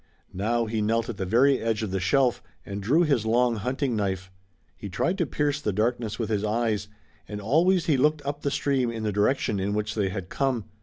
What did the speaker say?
Now, he knelt at the very edge of the shelf, and drew his long hunting knife. He tried to pierce the darkness with his eyes, and always he looked up the stream in the direction in which they had come.